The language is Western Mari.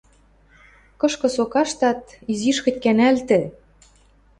Кышкы со каштат, изиш хоть кӓнӓлтӹ.